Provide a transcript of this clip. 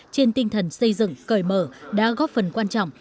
trên tinh thần xây dựng cởi mở đã góp phần quan trọng